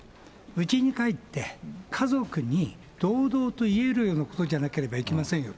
うちに帰って、家族に堂々と言えるようなことじゃなければいけませんよ。